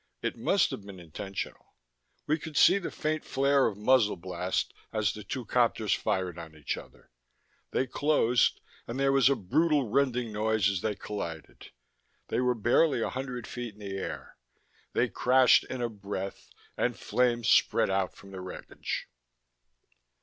It must have been intentional: We could see the faint flare of muzzle blast as the two copters fired on each other; they closed, and there was a brutal rending noise as they collided. They were barely a hundred feet in the air; they crashed in a breath, and flames spread out from the wreckage.